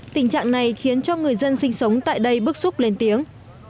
tình trạng này khiến cho người dân sinh sống tại đây bức xúc lên tiếng